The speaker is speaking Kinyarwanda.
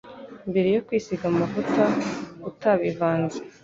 mbere yo kwisiga amavuta utabivanze.